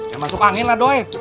ya masuk angin lah doy